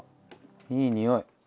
いい匂い。